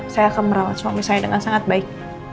saya akan merawat suami saya dengan sangat baik